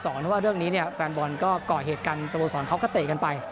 เพราะว่าเรื่องนี้เนี่ยแฟนบอลก็ก่อเหตุกันสโมสรเขาก็เตะกันไป